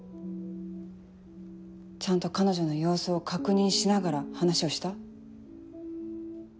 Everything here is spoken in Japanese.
ちゃんと彼女の様子を確認しながら話をした？